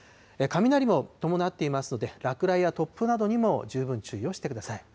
雷も伴っていますので、落雷や突風などにも十分注意をしてください。